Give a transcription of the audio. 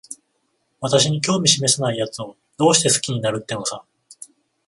私に興味しめさないやつを、どうして好きになるってのさ。